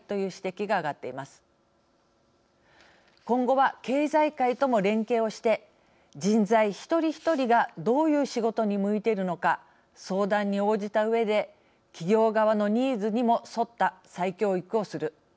今後は経済界とも連携をして人材ひとりひとりがどういう仕事に向いているのか相談に応じたうえで企業側のニーズにも沿った再教育をする。